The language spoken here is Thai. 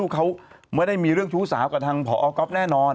เขาไม่ได้มีเรื่องชู้สาวกับทางพอก๊อฟแน่นอน